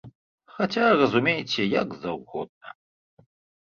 Хаця разумейце як заўгодна.